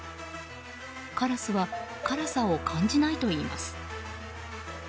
カラスは辛さを感じないといいます。